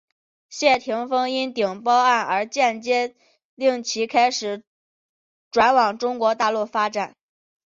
谢霆锋因顶包案而间接令其开始转往中国大陆发展。